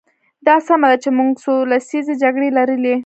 دا سمه ده چې موږ څو لسیزې جګړې لرلې.